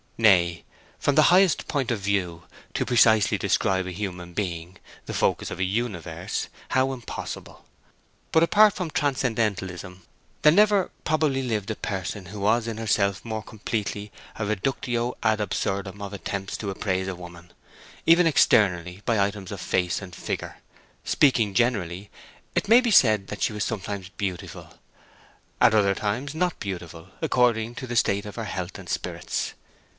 Nay, from the highest point of view, to precisely describe a human being, the focus of a universe—how impossible! But, apart from transcendentalism, there never probably lived a person who was in herself more completely a reductio ad absurdum of attempts to appraise a woman, even externally, by items of face and figure. Speaking generally, it may be said that she was sometimes beautiful, at other times not beautiful, according to the state of her health and spirits.